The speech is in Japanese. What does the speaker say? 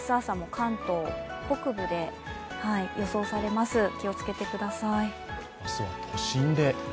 朝も関東北部で予想されます。